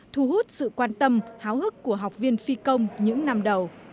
thu hút sự quan tâm háo hức của học viên phi công những năm đầu